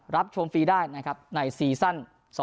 ชมฟรีได้นะครับในซีซั่น๒๐